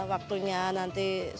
waktunya nanti subuh ya